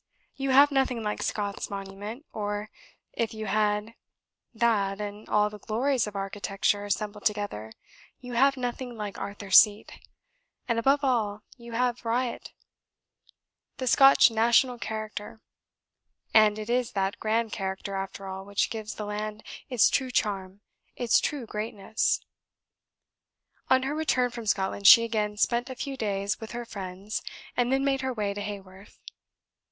You have nothing like Scott's monument, or, if you had that, and all the glories of architecture assembled together, you have nothing like Arthur's Seat, and, above all, you have not the Scotch national character; and it is that grand character after all which gives the land its true charm, its true greatness. On her return from Scotland, she again spent a few days with her friends, and then made her way to Haworth.